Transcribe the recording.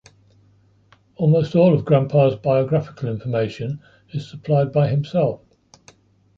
Almost all of Grampa's biographical information is supplied by himself.